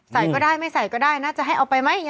ก็ได้ไม่ใส่ก็ได้น่าจะให้เอาไปไหม